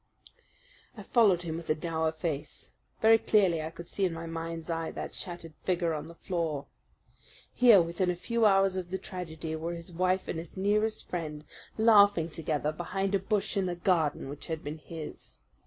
I followed him with a dour face. Very clearly I could see in my mind's eye that shattered figure on the floor. Here within a few hours of the tragedy were his wife and his nearest friend laughing together behind a bush in the garden which had been his.